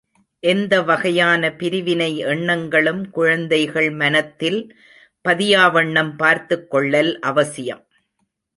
எந்த வகையான பிரிவினை எண்ணங்களும் குழந்தைகள் மனத்தில் பதியாவண்ணம் பார்த்துக் கொள்ளல் அவசியம்.